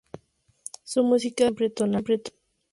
Su música es siempre tonal.